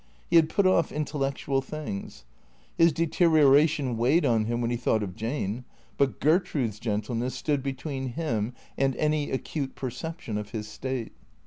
He had put off intellectual things. His deteri oration weighed on him when he thought of Jane. But Ger trude's gentleness stood between him and any acute perception of his state.